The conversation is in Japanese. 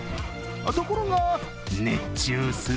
ところが熱中する